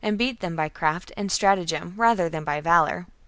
beat them by craft and stratagem rather than by valour.